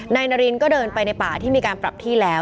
นายนารินก็เดินไปในป่าที่มีการปรับที่แล้ว